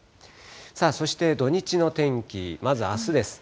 さあ、そして土日の天気、まずあすです。